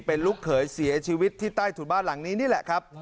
เป็นลูกเขยเสียชีวิตที่ใต้ถุนบ้านหลังนี้นี่แหละครับ